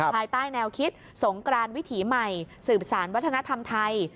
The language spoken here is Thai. ภายใต้แนวคิดสงกรานวิถีใหม่สืบสารวัฒนธรรมไทย